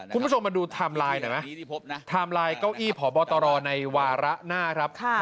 คุณผู้ชมมาดูไทม์ไลน์หน่อยไหมไทม์ไลน์เก้าอี้พบตรในวาระหน้าครับ